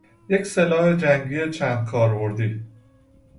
یک سلاح جنگی چندکاربردی